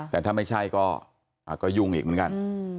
แต่ถ้าไม่ใช่ก็ยุ่งอีกเหมือนกัน